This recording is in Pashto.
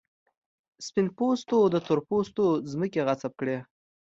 سپین پوستو د تور پوستو ځمکې غصب کړې.